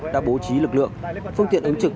đã bố trí lực lượng phương tiện ứng trực